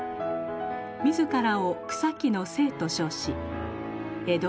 自らを草木の精と称し江戸